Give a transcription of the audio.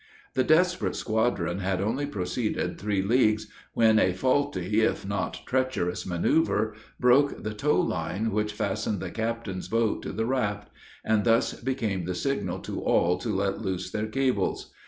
The desperate squadron had only proceeded three leagues, when a faulty, if not treacherous manoeuvre, broke the tow line which fastened the captain's boat to the raft; and this became the signal to all to let loose their cables.